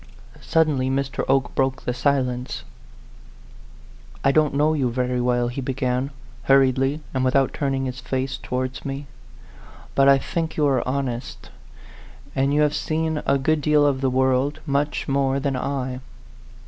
Suddenly Mr. Oke broke the silence. A PHANTOM LOVER. 121 " I don't know you very well," he began, hurriedly, and without turning his face towards me; "but I think you are honest, and you have seen a good deal of the world much more than I.